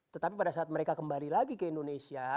tetapi pada saat mereka kembali lagi ke indonesia